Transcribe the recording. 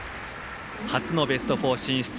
初のベスト４進出。